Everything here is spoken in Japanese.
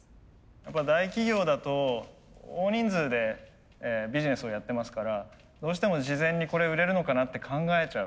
やっぱ大企業だと大人数でビジネスをやってますからどうしても事前に「これ売れるのかな」って考えちゃう。